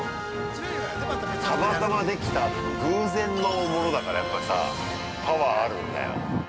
たまたまできた偶然のものだからやっぱさあ、パワーあるんだよ。